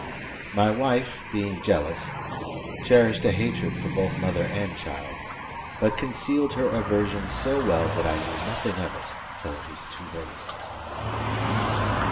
My wife being jealous, cherished a hatred for both mother and child, but concealed her aversion so well, that I knew nothing of it till it was too late.